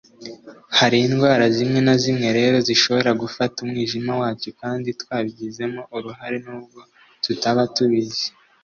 Hari indwara zimwe na zimwe rero zishobora gufata umwijima wacu kandi twabigizemo uruhare nubwo tuba tutabizi